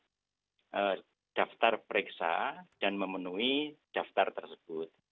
itu menyangkut daftar periksa dan memenuhi daftar tersebut